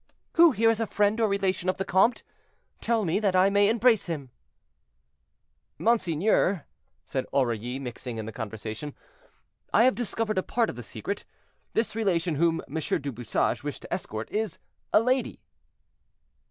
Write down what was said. "Who here is a friend or relation of the comte? Tell me, that, I may embrace him." "Monseigneur," said Aurilly, mixing in the conversation, "I have discovered a part of the secret. This relation whom M. du Bouchage wished to escort is—a lady."